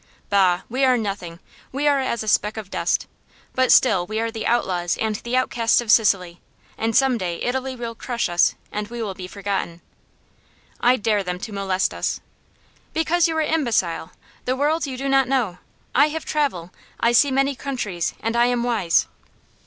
Bah! we are nothing we are as a speck of dust. But still we are the outlaws and the outcasts of Sicily, and some day Italy will crush us and we will be forgotten." "I dare them to molest us!" "Because you are imbecile. The world you do not know. I have travel; I see many countries; and I am wise."